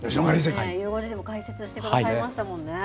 ゆう５時でも解説してくださいましたもんね。